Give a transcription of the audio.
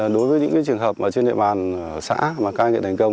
đối với những trường hợp trên địa bàn xã các anh chị thành công